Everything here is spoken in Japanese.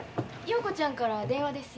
陽子ちゃんから電話です。